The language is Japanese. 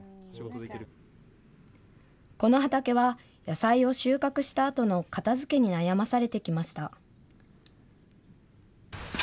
この畑は野菜を収穫したあとの片づけに悩まされてきました。